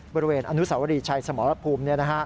บริเวณอนุสาวรีชัยสมรภูมิ